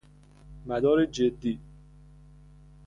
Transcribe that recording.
مدار جدی